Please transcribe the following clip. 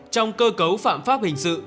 trong cơ cấu phạm pháp hình sự